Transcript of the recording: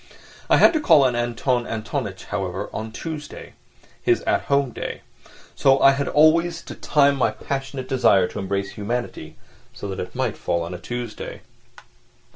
I had to call on Anton Antonitch, however, on Tuesday—his at home day; so I had always to time my passionate desire to embrace humanity so that it might fall on a Tuesday.